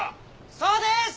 そうです！